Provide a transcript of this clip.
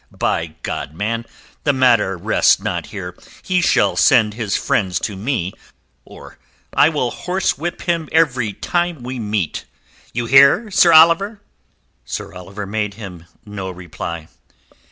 By God, man, the matter rests not here. He shall send his friends to me, or I will horse whip him every time we meet. You hear, Sir Oliver?" Sir Oliver made him no reply.